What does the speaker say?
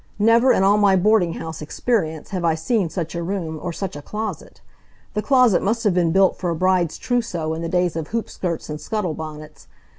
Never in all my boarding house experience have I seen such a room, or such a closet. The closet must have been built for a bride's trousseau in the days of hoop skirts and scuttle bonnets.